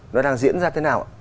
nó đang diễn ra thế nào ạ